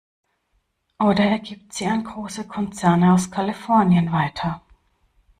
Oder er gibt sie an große Konzerne aus Kalifornien weiter.